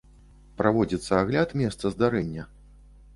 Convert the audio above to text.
Праводзіцца агляд месца здарэння.